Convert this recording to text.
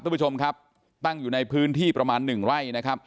ปั้งอยู่ในพื้นที่ประมาณ๑ไว้